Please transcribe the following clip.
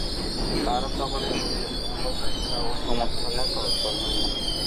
তাঁহারা সকলেই নিজ নিজ ধর্মের ব্যাখ্যা ও সমর্থনে তৎপর হইলেন।